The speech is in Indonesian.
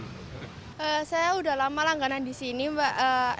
saya udah lama langganan disini saya sudah lama langganan disini saya sudah lama langganan disini